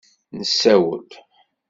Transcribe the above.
Nessawel.